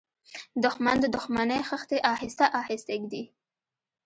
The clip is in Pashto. دښمن د دښمنۍ خښتې آهسته آهسته ږدي